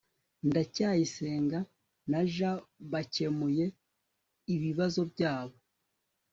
ndacyayisenga na j bakemuye ibibazo byabo